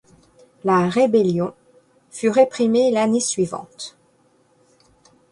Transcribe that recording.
La rébellion fut réprimée l'année suivante.